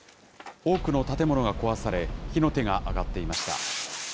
多くの建物が壊され、火の手が上がっていました。